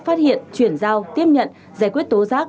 phát hiện chuyển giao tiếp nhận giải quyết tố giác